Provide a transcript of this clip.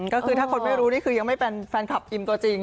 ก็คือถ้าคนไม่รู้นี่คือยังไม่เป็นแฟนคลับอิมตัวจริง